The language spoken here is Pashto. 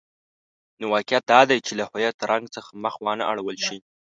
نو واقعیت دادی چې له هویت رنګ څخه مخ وانه ړول شي.